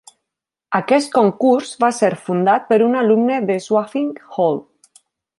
Aquest concurs va ser fundat per un alumne de Swanwick Hall.